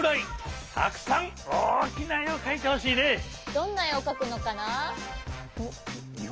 どんなえをかくのかな？